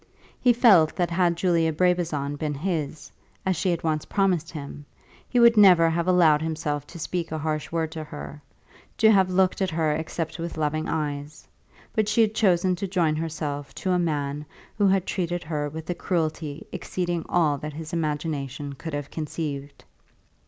He felt that had Julia Brabazon been his, as she had once promised him, he never would have allowed himself to speak a harsh word to her, to have looked at her except with loving eyes. But she had chosen to join herself to a man who had treated her with a cruelty exceeding all that his imagination could have conceived.